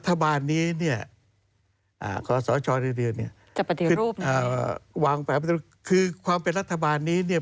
รัฐบาลนี้เนี่ยขอสอชอบเร็วคือความเป็นรัฐบาลนี้เนี่ย